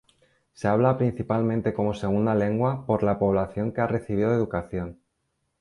Se habla principalmente como segunda lengua por la población que ha recibido educación.